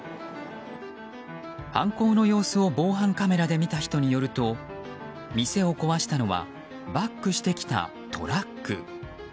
犯行の様子を防犯カメラで見た人によると店を壊したのはバックしてきたトラック。